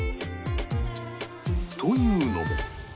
というのも